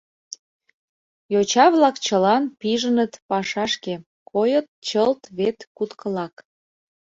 Йоча-влак чылан пижыныт пашашке — койыт чылт вет куткылак.